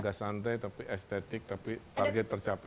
agak santai tapi estetik tapi target tercapai